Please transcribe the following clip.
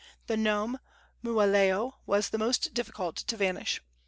The gnome Mooaleo was the most difficult to vanquish.